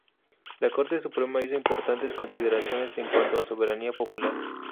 La Corte Suprema hizo importantes consideraciones en cuanto a soberanía popular.